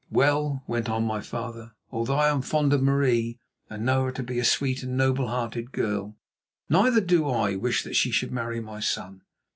"Well," went on my father, "although I am fond of Marie, and know her to be a sweet and noble hearted girl, neither do I wish that she should marry my son.